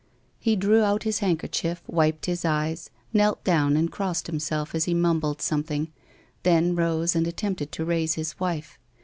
He drew out his handkerchief, wiped his eyes, knelt down and crossed himself as he mumbled something, then rose and attempted to raise his wife.